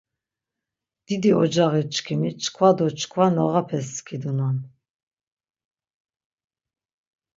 Didi ocağiçkimi çkva do çkva noğapes skidunan.